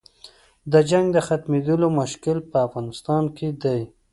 د جنګ د ختمېدلو مشکل په افغانستان کې دی.